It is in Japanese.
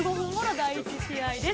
第１試合です。